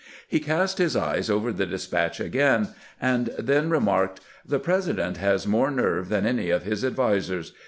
He cast his eyes over the despatch again, and then remarked :" The President has more nerve than any of his advisers.